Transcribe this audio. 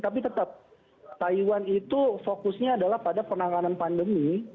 tapi tetap taiwan itu fokusnya adalah pada penanganan pandemi